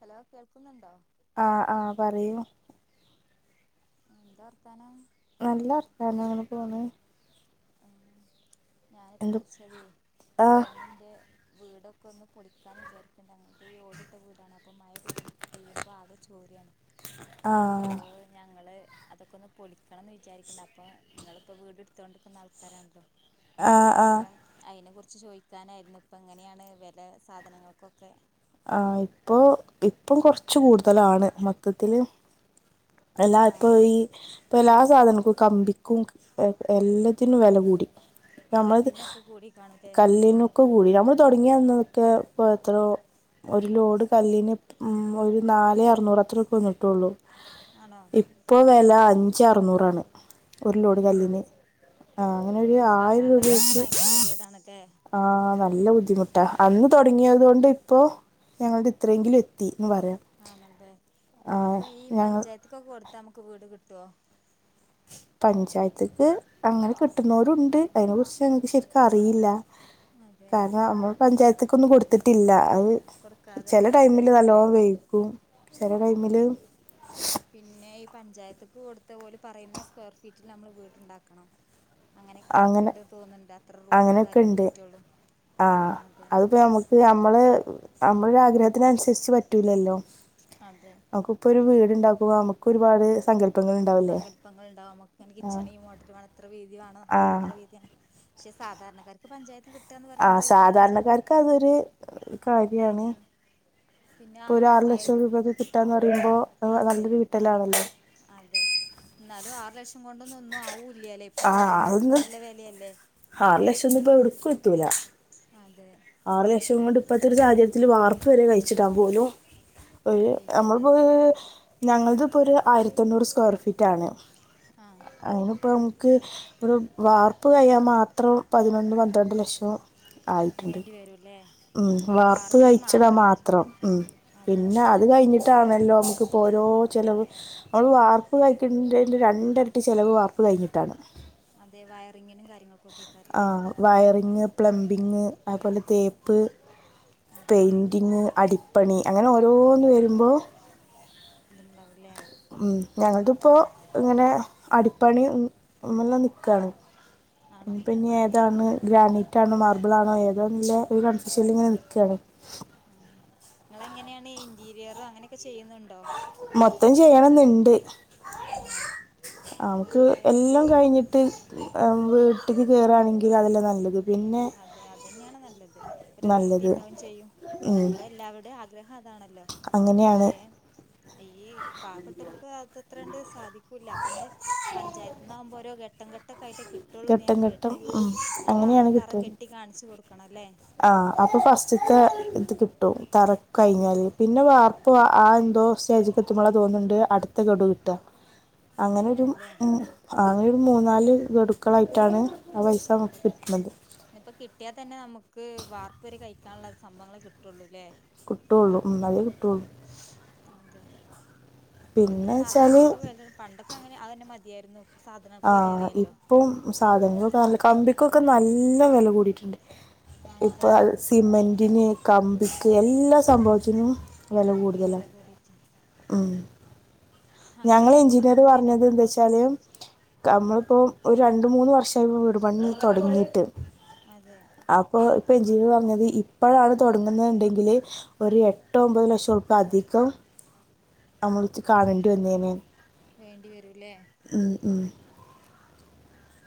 Hello കേൾക്കുന്നുണ്ടോ ആഹ് ആഹ് പറയൂ എന്താ വർത്താനം നല്ല വർത്താനം അങ്ങനെ പോന്ന് ഞാനിപ്പോ വിളിച്ചതേ ഞാനിന്റെ വീടൊക്കെ ഒന്ന് പൊടിക്കാന്ന് വിചാരിക്കണ്ട് ഞങ്ങക്ക് ഈ ഓടിട്ട വീടാണ് അപ്പൊ മയ പെയും പെയ്യുമ്പോ ആകെ ചോരിയാണ് അപ്പോ ഞങ്ങള് അതൊക്കെ ഒന്ന് പൊളിക്കണംന്ന് വിചാരിക്ക്ണ്ട്. അപ്പൊ ഇങ്ങള്പ്പോ വീട് ഇട്തോണ്ട് ക്കുന്ന ആൾക്കാരാണല്ലോ. അപ്പം അയിനെ കുറി ച്ച് ചോയ്ക്കാനായ്രുന്നു. ഇപ്പൊ എങ്ങനേണ് വെല സാധനങ്ങൾക്കൊക്കെ? ആഹ്. ഇപ്പൊ ഇപ്പം കൊർച്ചു കൂടുതലാണ് മൊത്തത്തില് എല്ലാ ഇപ്പൊ ഈ ഇപ്പൊ എല്ലാ സാധനങ്ങ കമ്പിക്കും എല്ലത്തിനും വെല കൂടി. നമ്മൾത് കല്ലിനൊക്കെ കൂടി നമ്മള് തൊട്ങ്ങിയന്നൊക്കെ പ്പോ എത്രോ ഒരു ലോഡ് കല്ലീന് ഒരു നാലേ അർ നൂറ് അത്രയൊക്കെ വന്ന്ട്ടുള്ളൂ. ഇപ്പൊ വെ ല അഞ്ചേ അറുന്നൂറാണ്. ഒരു ലോഡ് കല്ലിന് ആ അങ്ങനെ ഒര് ആയിരം രൂപക്ക് ആഹ് ന നല്ല ബുദ്ധിമുട്ടാ. അന്ന് തുടങ്ങിയത് കൊണ്ട് ഇപ്പോ ഞങ്ങളുടെ ഇത്രയെങ്കിലും എത്തി ആണല്ലേ. അപ്പൊ ഈ പഞ്ചായത്ത് ക്കൊക്കെ കൊട്ത്താ അമ്മക്ക് വീട് കി ട്ടോ? പഞ്ചായത്തക്ക് അങ്ങനെ കിട്ടുന്നവരുണ്ട് അതിനെ കുറിച്ചനക്ക് ശരിക്കും അറിയില്ല കാരണം നമ്മൾ പഞ്ചായത്ത് ത്തെക്കൊന്നും കൊടുത്തിട്ടില്ല അത് ചില ടൈമില് നല്ലോണം വേവിക്കും ചില ടൈമില് പഞ്ചായത്തക്ക് കൊടുത്ത പോലെ ഓല് പറയുന്ന സ്ക്വയർ ഫീറ്റിൽ നമ്മള് വീടുണ്ടാക്കണം അങ്ങനെ അങ്ങനെയൊക്കെ ഉണ്ട് ആഹ് അതിപ്പോ നമുക്ക് നമ്മള് നമ്മടെയൊരു ആഗ്രഹത്തിന് അനുസരിച്ച് പറ്റൂലല്ലോ നമുക്ക ഇപ്പൊ ഒരു വീടുണ്ടാക്കുവ നമുക്ക് ഒക്കെ ഒരുപാട് സങ്കല്പങ്ങൾ ഉണ്ടാവും നമുങ്ങനെ കിച്ചണും മോട്ടർ വേണം എത്ര വീതിവേണം ഹാളിത്ര വീതി വേണം പക്ഷെ സാധാരണക്കർക്ക് പഞ്ചായത്ത് കി ആ സാധാരണക്കാർക്ക് അതൊരു കാര്യാണ് ഇപ്പൊ ഒരു ആറ് ലക്ഷം രൂപയൊക്കെ കിട്ടാന്ന് പറയുമ്പോ ആഹ് നല്ലൊര് കിട്ടല്ലാണല്ലോ ന്നാലും ആറ് ലക്ഷം കൊണ്ടാെന്നും ഒന്നും ആവു ല്ല്യാലേ ഇപ്പൊ സാധനങ്ങൾക്കും നല്ല വെലെല്ലേ ആറ് ലക്ഷാെന്നുംപ്പെവ്ട്ക്കും എത്തൂലാ അതെ ആറ് ലക്ഷം കൊണ്ട് ഇപ്പത്താെര് സാഹചര്യത്തില് വാർപ്പ് വരെ കയ്ച്ച്ടാൻ പോലും ഒര് ഞമ്മൾപ്പൊര് ഞങ്ങൾത്പ്പൊര് ആയ്രെത്തെണ്ണൂറ് സ്ക്വയർ ഫീറ്റാണ് അ അയ്ന്പ്പം ക്ക് ഒരു വാർപ്പ് കയ്യാം മാത്രം പതിനാെന്ന് പന്ത്രണ്ട് ലഷം ആയിട്ട്ണ്ട് ഉം വാർപ്പ് കയ്ച്ച്ടാ മാത്രം ഉം പിന്നെ അത് കയ്ഞ്ഞ് ട്ടാണല്ലോ നമുക്ക്പ്പോ ഓരോ ചെലവ് നമ്മൾ വാർപ്പ് കഴിക്കെണ്ടേന്റെ രണ്ടെരട്ടി ചെലവ് വാർപ്പ് കയ്ഞ്ഞ്ട്ടാണ് അതെ വയറിങ്ങിനും കാര്യങ്ങൾക്കു ഒക്കെയ്ക്കാരം ല്ലെ പ്ലംബിങ് അതുപോലെ തേ- പ്പ് പെയിന്റിങ് അടി പണി അങ്ങനെ ഓരോന്ന് വെര്മ്പോ ഇത്ണ്ടാവുല്ലേ ഞങ്ങൾത്പ്പാേ ഇങ്ങനെ അടിപ്പണി മ്മങ്ങെനിക്കാണ് പിന്നെ ഏതാണ് ഗ്രാനൈറ്റ് ആണോ മാർബിൾ ആണോ ഏതാനുള്ള ഒരു കൺഫ്യൂഷനിൽ ഇങ്ങനെ നിൽക്കുകയാണ് നിങ്ങൾ എങ്ങനെയാണ് ഇന്റീരിയറോ അങ്ങനെക്കെ ചെയ്യുന്നുണ്ടോ മൊത്തം ചെയ്യണം എന്നുണ്ട് നമുക്ക് എല്ലാം കഴിഞ്ഞിട്ട് വീട്ടിൽ കയറുകയാണെങ്കിൽ അതല്ലേ നല്ലത് അതെ അതന്നെയാണ് നല്ലത് ഒരു വൃത്തി ഉണ്ടാവും ചെയ്യും നമ്മള എല്ലാവടെും ഗ്രഹദാണ് [unintelligible] ല്ല ക്ഷേ [unintelligible] അയേ [unintelligible] പാവപ്പെട്ടൾക്ക് അത്രക്ക് സാധിക്കൂല്ല അപ്പ നമ്മള് പഞ്ചായത്തിന്നാവകുമ്പോ ഒരുോ ഘട്ടം ഘട്ടൊക്കായിട്ട് ഘട്ടം ഘട്ടം ഉ അങ്ങനെയാണ് കിട്ടുന്നത് കെട്ടി കാണിച്ചു കൊടുക്കണം അല്ലേ ആ അപ്പൊ ഫസ്റ്റ്ത്തെ ഇത് കിട്ടും തറക്ക് കഴിഞ്ഞാല് പിന്നെ വ അറപ്പോ ആ എന്തോ സ്റ്റേജ് എത്തുമ്പോ തോന്നുന്നുണ്ട് അടുത്ത കടു കിട്ടുക അങ്ങനെൊ ഒരു ഉ അങ്ങനെ ഒരു മൂന്നാല് കൊടുക്കും തവണകളായിട്ടാണ് അ പൈസ നമുക്ക് കിട്ടുന്നത് കിട്ടിയാൽ തന്നെ നമുക്ക് വാർപ്പ് വരെ കഴിക്കാനുള്ള സംഭവങ്ങളെ കിട്ടുള്ളൂല്ലേ കുട്ടൊള്ളു ഇന്നല്ലേ കിട്ടുള്ളു അതെ ഇപ്പത്തെ സാധനങ്ങൾക്ക് വെല പണ്ടൊ അങ്ങനെ അഅനെ മതിയായിരുന്നു ആ ഇപ്പൊ സാധനങ്ങകൊക്കെ നല്ല കമ്പിക്കൊക്കെ ഒക്കെ നല്ല വില കൂടീട്ടുണ്ട് ഇപ്പൊ സിമെന്റിന് കമ്പിക്ക് എല്ലാ സ സംഭവത്തിനും വില കൂടുതലാ ഉം ഞങ്ങള എഞ്ചിനീയർ പറഞ്ഞത് എന്താ വെച്ചാല് നമ്മളിപ്പോൊ ഒരു രണ്ട്‌ മൂന്ന് വർഷ വീട് പണി തുടങ്ങീട അപ്പൊ ഇപ്പോ എഞ്ചിനീർ പറഞ്ഞത് ഇ ഇപ്പോഴാണ് തുടങ്ങുന്നത്ണ്ടെങ്കില് ഒരു എട്ടോ ഒമ്പത് ലക്ഷം ഉറുപ്പിക അധികം നമ്മടുത്ത് കാണേണ്ടി വന്നേന് വേണ്ടി വരൂല്ലേ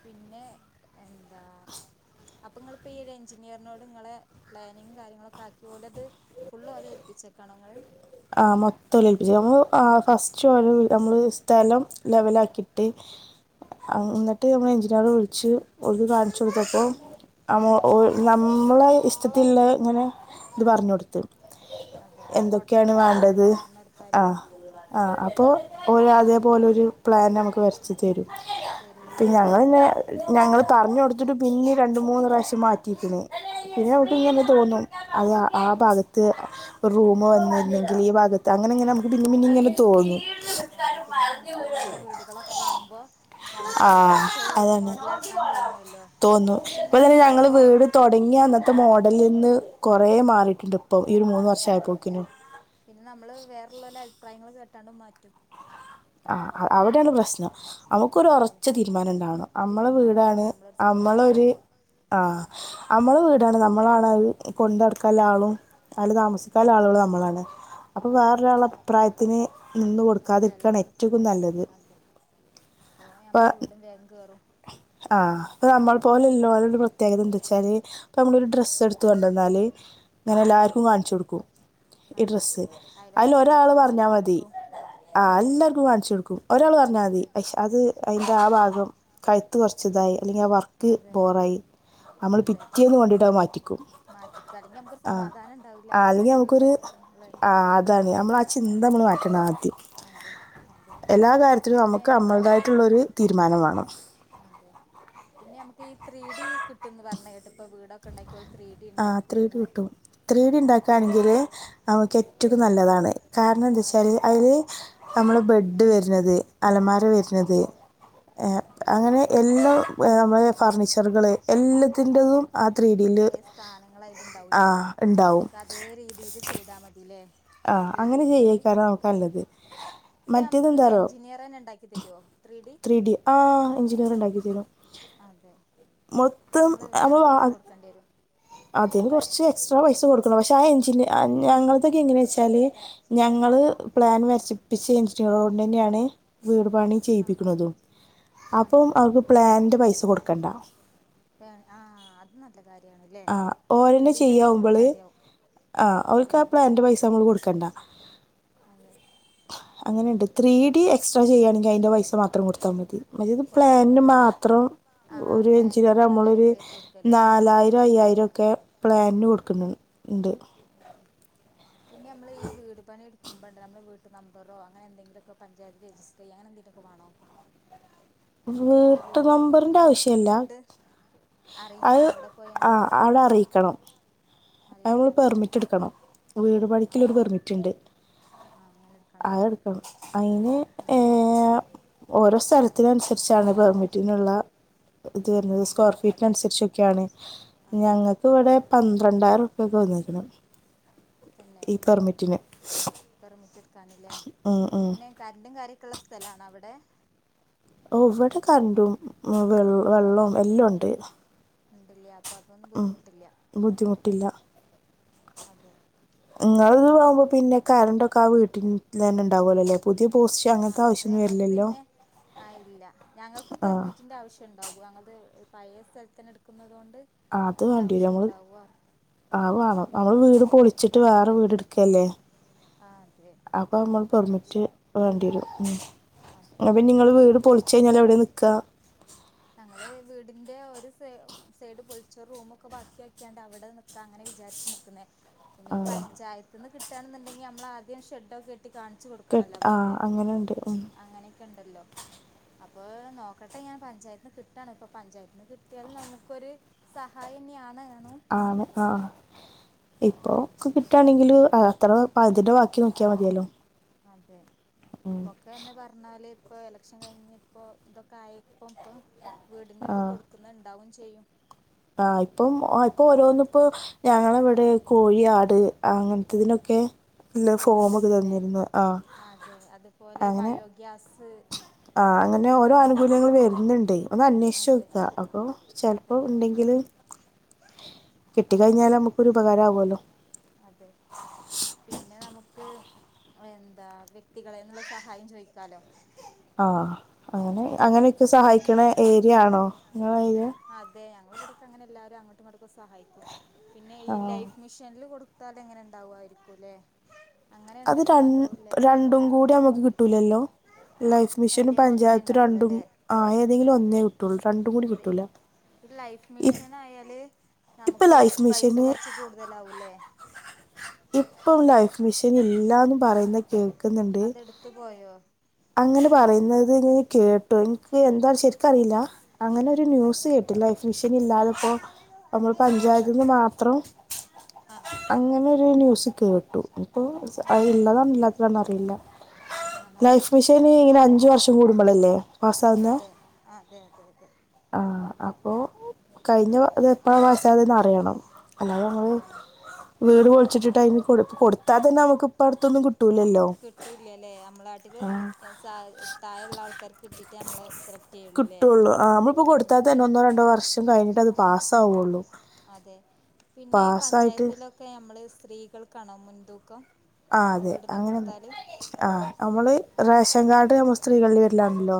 പിന്നെ എന്താ [inaudible] അപ്പൊ ഇങ്ങളിപ്പോ ഈ ഒരു എഞ്ചിനീയറിനോട് ഇങ്ങളെ പ്ലാനിങ്ങും കാര്യങ്ങളൊക്കെ ആക്കി ഓലെത് ഫുള്ള് ഓലെ ഏൽപ്പിച്ചേക്കാണോ ഇങ്ങള് ആ മൊത്തം ഓലേൽപ്പിച് നമ്മൾ ഫസ്റ്റ് ഓരോ നമ്മള് സ്ഥലം ലെവലാക്കിട്ട് ന്നിട്ട് നമ്മൾ എഞ്ചിനയറെ വിളിച്ച് ഓല്ക് കാണിച്ചു കൊടുത്തപ്പോ നമ്മളെ ഇഷ്ടത്തിലുള്ള ഇങ്ങനെ ഇത് പറഞ്ഞൊടുത്ത്. അതെ നമ്മള മോട ക്കാണ് വേണ്ടത് ആ ആ അപ്പോ ഓല് അതേപോലെ ഒരു പ്ലാൻ നമുക്ക് വരച്ച് തരും പിന്ന ഞങ്ങൾങ്ങനെ ഞങ്ങൾ പറഞ്ഞു കൊടുത്തിട്ട് പിന്നെ രണ്ട് മൂന്ന് പ്രാവശ്യം മാറ്റിയിക്ക്‌ണ് പിന്നെ നമുക്ക് ഇങ്ങെനെ തോന്നും അത് ആ ഭാഗത്ത് റൂമ് വന്ന് ങ്കിൽ ഈ ഭാഗത്ത് അങ്ങനെ ഇങ്ങനെ നമുക്ക് പിന്നേം പിന്നേം ഇങ്ങനെ തോന്നി വേറെ വീടുകളൊക്കെ കാണുമ്പോ ഞമുക്ക് അതുപോലത്തെത് മോഡലാക്കാൻ തോന്നോല്ലോ പിന്നെ ഇപ്പൊ ടലീന്ന് കുറേ മാറിയിട്ട്ണ്ട്. ഇപ്പൊ ഈ മൂന്ന് വർഷായപ്പോക്കിനും പിന്നെ നമ്മള് വേറ അഭിപ്രായങ്ങൾ കേട്ടാണ്ട് മാറ്റും ആ അ അവിടെയാണ് പ്രശ് നം നമുക്കൊരു ഒറച്ച തീരുമാനം ഇണ്ടാവണം. അമ്മള വീടാണ് അമ്മളൊരു ആ അമ്മളെ വീടാണ് നമ്മളാണത് കൊണ്ടട്ക്കലാളും അയില് താമസിക്കാന്ള്ള ആളുകളു നമ്മളാണ് അപ്പൊ വേറൊരാളെ അഭിപ്രായത്തിന് നിന്ന് കൊടുക്കാതിരിക്കണേ ത്താല് അതെ അപ്പൊ നമ്മടെ വീടും വേഗം ആഹ് ഇപ്പ നമ്മള് പോലെ അല്ലല്ലൊ അത് രണ്ടു പ്രത്യേകത എന്താച്ചാല് നി ഇപ്പ നമ്മളൊരു ഡ്രസ് എടുത്ത് കൊണ്ടന്നാല് ഇങ്ങനെ എല്ലാരും വാങ്ങിച്ചൊടുക്കും ഈ ഡ്രസ്സ് അയില് ഒരാള് പറഞ്ഞാ മതി ആ എല്ലാർക്കും വാങ്ങ്ച്ചൊടുക്കും ഒരാള് പറഞ്ഞാതി അശ് അത് അതിന്റെ ആ ഭാഗം കയിത്ത് കൊറച്ച് ഇതായി അല്ലെങ്കി ആ വർക്ക് പോവാറായി നമ്മള് പിറ്റേന്ന് വേണ്ടിട്ട് മാറ്റിക്കും ആ അല്ലെങ്കി നമുക്കൊരു ആ അതാണ് നമ്മള് ആ ചിന്ത നമ്മള് മാറ്റണം ആദ്യം എല്ലാ കാര്യത്തിലും നമുക്ക് നമ്മളതായിട്ടുള്ളൊരു തീരുമാനം വേണം അതെ [unintelligible] ത്രീഡി കിട്ടൂന്ന് പറഞ്ഞ കേട്ട് പ്പൊ വീടൊക്കെ ഇണ്ടാക്കില് ആ ത്രീഡി കിട്ടും ത്രീഡി ഇണ്ടാക്കാണെങ്കില് നമുക്ക് ഏറ്റതു നല്ലതാണ് കാരണം എന്താച്ചാല് അതില് നമ്മള് ബെഡ് ഡ് വരണത് അലമാര വരണത് എഹ് അങ്ങനെ എല്ലാ മ്മള് ഫർണിച് ചറുകള് എല്ലാത്തിൻ്റേതും ആ ത്രീടില് സാനങ്ങള് അതിലുണ്ടാവുലേ നമുക്ക് അതേ രീതിയില് ചെയ്താ മതി ലേ [unintelligible] ആഹ് അങ്ങനെ ചെയ്തേക്കാണ് നമക്ക് നല്ലത് മറ്റേതെന്താറിയോ ത്രിഡി ആഹ് വേറെണ്ടാക്കി തരും അതെ അ നമ്മള് വേറെ പൈസ കൊടുക്കേണ്ടി വരും [unintelligible] അതിന് കൊറച്ച് എക്സ്ട്രാ പൈസ കൊടുക്കണം പക്ഷെ ആ എഞ്ചിനി ആ ഞങ്ങകൊക്കെ എങ്ങനെയച്ചാല് ഞങ്ങള് പ്ലാൻ വരച്ചിപ്പിച്ച എഞ്ചിനിയറോഡന്നെയാണ് വീടുപണി ചെയ്യിപ്പിക്കുന്നതും അപ്പം അവർ പ്ലാൻ്റെ പൈസ കൊടുക്കണ്ട ആഹ് ഓരന്നെ ചെയ്യുമ്പള് ആഹ് ഓർക്ക് പ്ലാൻ്റെ പൈസ നമ്മള് കൊടുക്കണ്ട അങ്ങനെണ്ട് ത്രീ ടി എക്സ്ട്രാ ചെയ്യാണെങ്കി അയിൻ്റെ പൈസ മാത്രം കൊടുത്താ മതി മെലത് പ്ലാനിനു മാത്രം ഒരു എഞ്ചിന് നമ്മളൊരു നാലായി ഒരു അയ്യായിരൊക്കെ പ്ലാനിന് കൊടുക്കുന്ന് ഇണ്ട് [inaudible] പിന്നെ നമ്മള് ഈ വീട്പണി എടു [unintelligible] ബേണ്ട നമ്മടെ വീട്ട് നമ്പറോ അങ്ങനെ എന്തെങ്കിലൊക്കെ പഞ്ചായത്ത് രജിസ്റ്ററെയ്യാ അങ്ങനെ എന്തെങ്കിലൊക്കെ വേണോ [unintelligible] വീട്ട് നമ്പറിൻ്റെ ആവശ്യല്ല അത് ആ അവിടെ അറിയിക്കണം ആലോയിക്കണല്ലേ റ്റെടുക്കണം വീട് പണിക്ക്ള്ളൊര് പെർമിറ്റ്ണ്ട് അഹ് എടുക്കണം അയിന് ഏ ഓരോ സ്ഥല ത്തിന് അനുസരിച്ചാണ് പെർമിറ്റിനുള്ള വര്ന്നത് സ്ക്വയർ ഫീറ്റ്നൻസര്ച്ചൊക്കെയാണ് ഞങ്ങൾക്ക് ഇവിടെ പന്ത്രണ്ടായിറു [unintelligible] ഈ പെർമിറ്റിന് ആന് ഇല്ലേ പിന്നെ കരണ്ടും കാര്യ- ഉള്ള സ്ഥലം ആണോ അവിടെ ഓ ഇവിടെ കറണ്ടും വെ വെള്ളോ എല്ലാം ഉണ്ട് ഇല്ല്യ ഉം ബുദ്ധിമുട്ടില്ല അതെ നിങ്ങള് ഇവിടുന്ന് പോകുമ്പോ പിന്നെ കറണ്ടയൊക്കെ ആ വീട്ടി ൽതന്നെ ഉണ്ടാവുമല്ലോല്ലേ പുതിയ- ആ അത് ഞങ്ങക്ക് പിന്നെ ആ ഇല്ല ഞങ്ങൾക്ക് പെർമിറ്റിന്റെ ആവശ്യം ഉണ്ടാകൂ അത്- പഴയ സ്ഥലത്തന്നെ എടുക്കുന്നത് കൊണ്ട്- ആഹ് അത് വേണ്ടി വെരും നമ്മെൾ ആഹ് അയ് വാണം നമ്മെൾ വീട് പൊളിച്ചിട്ട് വേറെ വീട് ഇട്ക്ക അല്ലെ അപ്പ അമ്മെൾ പെർമിറ്റ് വേണ്ടി വെരും ഉം പ്പ ഇഞ്ഞ് ഇങ്ങെൾ വീട് പൊള് പൊൾച്ചെയ്ഞ്ഞാൽ ഒയുടെ നിക്കാ ഞങ്ങള് വീടിന്റെ ഒര് സെയ് സൈഡ് പൊളിച്ച് ഒര് റൂമ് ഒക്കെ ബാക്കി ആക്കിയാണ്ട് അവ്ടെ നിക്കാ അങ്ങനെ വിചാരിച്ച് നിക്ക്ന്നെ ഇനി പഞ്ചായത്ത്ന്ന് കിട്ട് കിട്ടാണ്ന്ന് ഇണ്ടെങ്കി നമ്മെ ൾ ആദ്യം ഷെഡ് ഒക്കെ കെട്ടി ക്കെട്ട് ആഹ് അങ്ങനെ ഇണ്ട് ഉം ക്കെ ഇണ്ടെല്ലോ അപ്പൊ അയ് നോക്കട്ടെ ഞാൻ പഞ്ചായത്ത്ന്ന് കിട്ടാണ് ഇപ്പൊ പഞ്ചായത്തിന്ന് കിട്ടിയാൽ നമുക്കൊരു സഹായംന്നെയാണ് ആണ് ആഹ് ഇപ്പൊ ക്ക് കിട്ടാണെങ്കിൽ ആഹ് അത്ര അപ്പ അതിന്റെ ബാക്കി നോക്കിയാ മതിയെല്ലോ അതെ പെക്കെന്ന് പറഞ്ഞാല് ഇപ്പൊ എലക്ഷൻ കഴിഞ്ഞ് ഇപ്പോ ഇതൊക്കെ ആയപ്പം പ്പം വീടിന്റെ ഒക്കെ കൊട്ക്ക്‌ന്നെ ഇണ്ടാവും ചെയ്യും ആഹ് ഇപ്പം ഇപ്പൊ ഓരോന്ന് പ്പൊ ഞങ്ങളെ വ ഏ കോഴിയാട് അങ്ങൻത്തതിനൊക്കെ തന്ന്ട്ട്ണ്ട്ല്ലേ ആഹ് തെ അത്പോലെ ബയോഗ്യാസ് ആഹ് അങ്ങനെ ഓരോ ആനുകൂല്യങ്ങൾ വര്ന്ന്ണ്ട് ഒന്നന്വേഷിച്ചോക്ക അപ്പൊ ചെലപ്പോ ഉണ്ടെങ്കില് കിട്ടി കഴിഞ്ഞാല് നമ്മക്കൊരു ഉപകാരാവല്ലോ അതെ പിന്നെ നമക്ക് എന്താ വ്യക്തികളെന്നുള്ള സഹായം ചോയ്ക്കാലോ ആഹ് അങ്ങനെ അങ്ങനൊക്കെ സഹായിക്കണ ഏരിയണോ? അതെ ഞങ്ങളെവിടേക്കെ അങ്ങനെല്ലാരും അങ്ങോ ട്ട്ങ്ങട്ടോക്കെ സഹായിക്കും. പിന്നെ ഈ ലൈഫ് മിഷനില് കൊട് ത്താലെങ്ങനെ ണ്ടാവായിരിക്കും ലെ അത് രൺ രണ്ടും കൂടി നമുക്ക് കിട്ടൂലല്ലോ ലൈഫ് മിഷന് പഞ്ചായത്ത് രണ്ടും ആഹ് ഏതെങ്കിലും ഒന്നേ കിട്ടൊള്ളു രണ്ടും കൂടി കിട്ടൂല ഇ ഇപ്പൊ ലൈഫ് മിഷന് ഇപ്പോ ലൈഫ് മിഷ ഇല്ലാന്ന് പറയുന്ന കേൾ അതെടുത്തു പോയോ? അങ്ങനെ പറയുന്നത് ഞാൻ കേട്ടു എനിക്ക് എന്താണ് ശരിക്കറിയില്ല അങ്ങനെ ഒരു ന്യൂസ് കേട്ടു ലൈഫ് മിഷൻ ഇല്ലാതെപ്പോ നമ്മള് പഞ്ചായത്ത്ന്ന് മാത്രം അങ്ങനെ ഒരു ന്യൂസ് കേട്ടു ഇപ്പൊ അത് ഇള്ളതാണോ ഇല്ലാത്തതാണോ അറി റിയില്ല ലൈഫ് മിഷന് ഇങ്ങനെ അഞ്ച് വർഷം കൂടുമ്പോളല്ലേ പാസ്സ് ആകുന്നെ ആഹ് അപ്പൊ കഴിഞ്ഞ അത് എപ്പഴാ പാസ്സ് ആയതെന്ന് അറിയണം അല്ലാതെ നമ്മള് വീട് പൊളിച്ചിട്ടിട്ട് അതിന് കൊടു കൊടുത്താ തന്നെ നമുക്ക് ഇപ്പ അടുത്തൊന്നും കിട്ടൂലല്ലോ കിട്ടൂല്ലല്ലേ നമ്മളെ അടു താ താഴെയുള്ള ആൾക്കാർക്ക് കിട്ടിട്ടേ നമ്മളെ സെലക്ട് ചെയ്യുള്ളുല്ലേ അതെ പിന്നെ പാസാവൊള്ളൂ അതെ പിന്നെ ഈ പഞ്ചായത്തിലൊക്കെ ഞമ്മള് സ് സ്ത്രീകൾക്കാണോ മുൻതൂക്കം? ആഹ് അതെ അങ്ങനെ ആഹ് നമ്മള് റേഷ് റേഷൻ കാർഡ് നമ്മള് സ്ത്രീകളുടെ പേരിലാണല്ലോ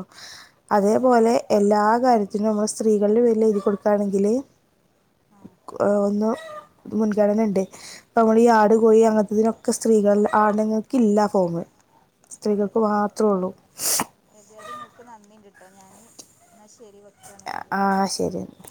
അതേപോലെ എല്ലാ കാര്യത്തിനും നമ്മള് സ്ത്രീകളുടെ പേരിൽ എഴുതി കൊടു ആണെങ്കില് കു ഒന്നോ മുൻഗണനയുണ്ടേ ഇപ്പ നമ്മള് ഈ ആട് കോയി അങ്ങനത്തെതിനൊക്ക് ഒക്കെ സ്ത്രീകൾ ആണെങ്ങക്ക് ഇല്ല ഫോമ്. സ്ത്രീകൾക്ക് മാത്രേ ഉള്ളൂ. നന്ദിണ്ട്ട്ടോ ഞാന് എന്നാ ശരി. ആ ശരിന്നാ.